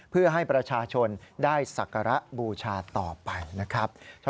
เพื่อให้ประชาชนได้สักการะบูชาต่อไปนะครับ